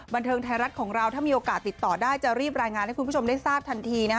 บันเทิงไทยรัฐของเราถ้ามีโอกาสติดต่อได้จะรีบรายงานให้คุณผู้ชมได้ทราบทันทีนะฮะ